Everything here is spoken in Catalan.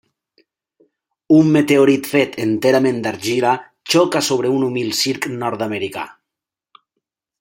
Un meteorit fet enterament d'argila xoca sobre un humil circ nord-americà.